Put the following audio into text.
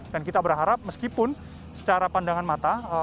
dan kita berharap meskipun secara pandangan mata